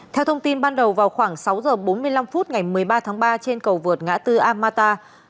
theo thông tin ban đầu vào khoảng sáu h bốn mươi năm phút ngày một mươi ba tháng ba trên cầu vượt ngã tư amata